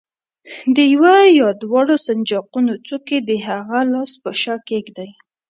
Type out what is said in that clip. د یوه یا دواړو سنجاقونو څوکې د هغه لاس په شا کېږدئ.